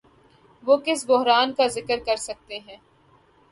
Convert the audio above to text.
وہ کس بحران کا ذکر کرسکتے ہیں؟